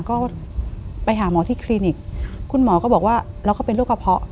ก็ไปหาหมอที่คลินิกคุณหมอก็บอกว่าเราก็เป็นโรคกระเพาะ